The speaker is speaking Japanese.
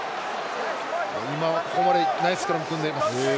ここまでナイススクラム組んでます。